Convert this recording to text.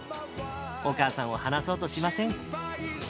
お母さんを離そうとしません。